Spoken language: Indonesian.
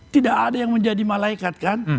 tidak ada yang menjadi malaikat kan